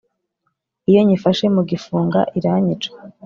Iyo nyifashe mu gifunga iranyica